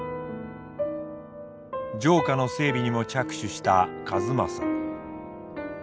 城下の整備にも着手した数正。